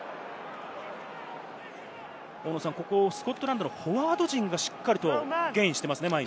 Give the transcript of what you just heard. ここ、スコットランドのフォワード陣がしっかりとゲインしてますね。